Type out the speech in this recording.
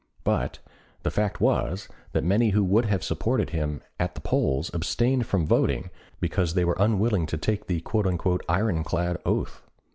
But the fact was that many who would have supported him at the polls abstained from voting because they were unwilling to take the "iron clad" oath.